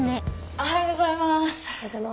おはようございます。